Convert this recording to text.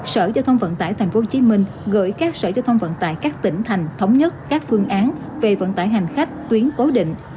sở giao thông vận tải tp hcm gửi các sở giao thông vận tải các tỉnh thành thống nhất các phương án về vận tải hành khách tuyến cố định